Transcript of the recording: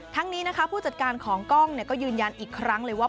นี้นะคะผู้จัดการของกล้องก็ยืนยันอีกครั้งเลยว่า